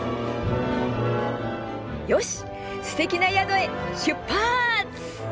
よしすてきな宿へ出発！